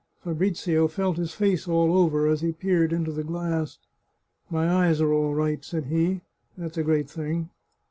Fabrizio felt his face all over as he peered into the glass. " My eyes are all right," said he. " That's a great thing."